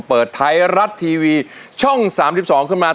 เปิดไทยรัฐทีวีช่อง๓๒ขึ้นมา